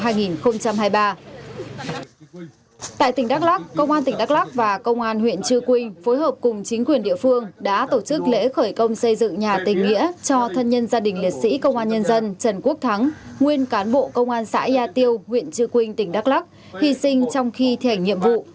tại tỉnh đắk lắc công an tỉnh đắk lắc và công an huyện chư quynh phối hợp cùng chính quyền địa phương đã tổ chức lễ khởi công xây dựng nhà tình nghĩa cho thân nhân gia đình liệt sĩ công an nhân dân trần quốc thắng nguyên cán bộ công an xã gia tiêu huyện trư quynh tỉnh đắk lắc hy sinh trong khi thi hành nhiệm vụ